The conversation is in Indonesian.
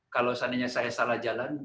kalau seandainya saya salah jalan